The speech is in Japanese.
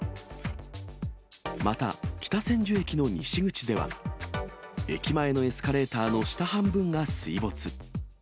また、北千住駅の西口では、駅前のエスカレーターの下半分が水没。